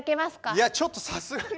いやちょっとさすがに。